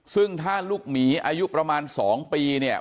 ซึ่งถ้าลูกหมีอายุประมาณ๒ปีเนี่ย